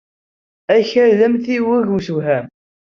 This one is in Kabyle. Akal d amtiweg asewham.